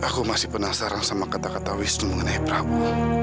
aku masih penasaran sama kata kata wisnu mengenai prabu